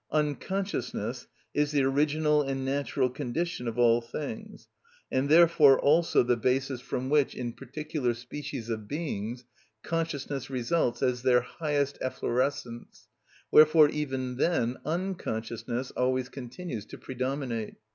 Unconsciousness is the original and natural condition of all things, and therefore also the basis from which, in particular species of beings, consciousness results as their highest efflorescence; wherefore even then unconsciousness always continues to predominate.